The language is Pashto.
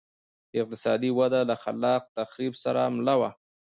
اقتصادي وده له خلاق تخریب سره مله وه